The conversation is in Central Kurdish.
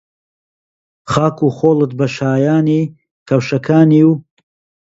خاک و خۆڵت بە شایانی کەوشەکانی و